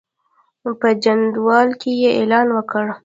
په جندول کې یې اعلان وکړ.